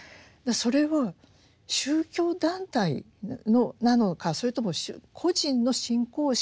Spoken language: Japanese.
それを宗教団体なのかそれとも個人の信仰心の問題